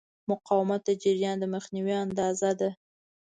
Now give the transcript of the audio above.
مقاومت د جریان د مخنیوي اندازه ده.